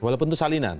walaupun itu salinan